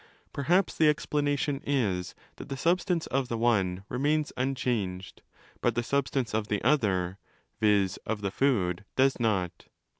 Perhaps the explanation is that the substance of the one* remains unchanged, but the substance of the other (viz. of 35 the food) does not.